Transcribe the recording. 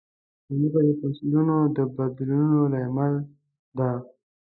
مځکه د فصلونو د بدلون لامل ده.